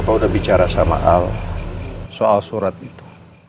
bapak udah bicara sama al soal surat itu